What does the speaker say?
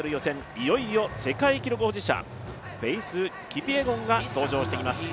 いよいよ世界記録保持者、フェイス・キピエゴンが登場してきます。